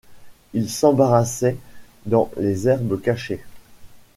Ils s’embarrassaient dans les herbes cachées.